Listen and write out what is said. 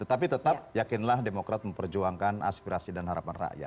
tetapi tetap yakinlah demokrat memperjuangkan aspirasi dan harapan rakyat